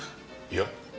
いや。